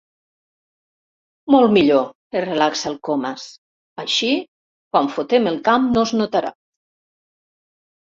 Molt millor —es relaxa el Comas—, així quan fotem el camp no es notarà.